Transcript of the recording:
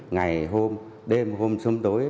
ngày hôm đêm hôm xuống tối